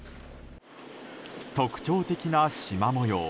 特徴的な縞模様。